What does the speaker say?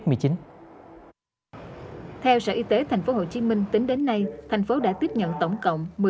theo sở y tế tp hcm tính đến nay thành phố đã tiếp nhận tổng cộng